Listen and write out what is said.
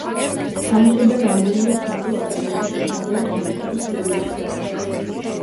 თამაშობდა რამდენიმე ქართულ აკადემიაში, საბოლოოდ ლანჩხუთის „გურიაში“ დაბრუნდა.